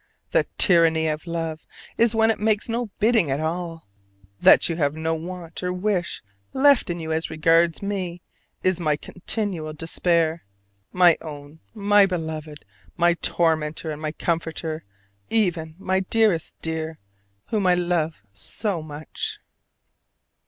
The tyranny of love is when it makes no bidding at all. That you have no want or wish left in you as regards me is my continual despair. My own, my beloved, my tormentor and comforter, my ever dearest dear, whom I love so much!